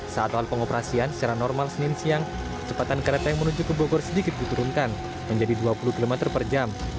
saat awal pengoperasian secara normal senin siang kecepatan kereta yang menuju ke bogor sedikit diturunkan menjadi dua puluh km per jam